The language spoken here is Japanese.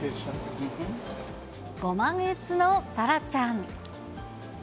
ご満悦のサラちゃん。